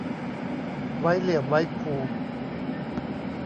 ไว้เหลี่ยมไว้คู